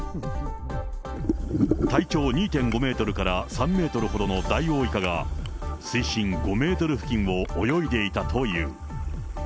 体長２．５メートルから３メートルほどのダイオウイカが、水深５メートル付近を泳いでいたという。